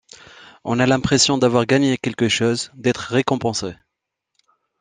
On a l’impression d’avoir gagné quelque chose, d’être récompensés.